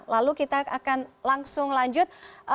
lalu kita akan langsung lanjut